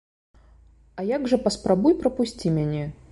А як жа, паспрабуй прапусці мяне!